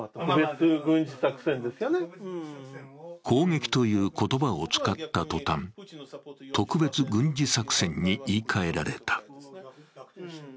攻撃という言葉を使った途端特別軍事作戦に言いかえられた。